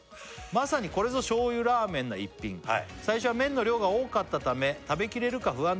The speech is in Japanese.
「まさにこれぞ醤油ラーメンな一品」「最初は麺の量が多かったため食べきれるか不安でしたが」